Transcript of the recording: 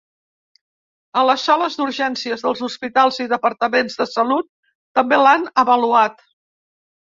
A les sales d'urgències dels hospitals i departaments de salut també l'han avaluat.